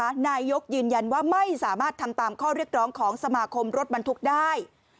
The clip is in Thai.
นายกยืนยันว่าไม่สามารถทำตามข้อเรียกร้องของสมาคมรถบรรทุกได้